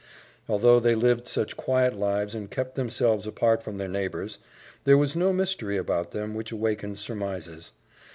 Although they lived such quiet lives and kept themselves apart from their neighbors, there was no mystery about them which awakened surmises.